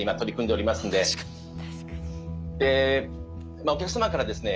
まあお客様からですね